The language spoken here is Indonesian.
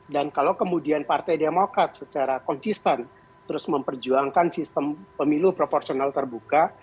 dan kalau kemudian partai demokrat secara konsisten terus memperjuangkan sistem pemilu proporsional terbuka